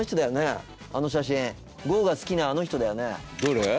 あの写真剛が好きなあの人だよねどれ？